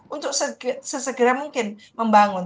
untuk sesegera mungkin membangun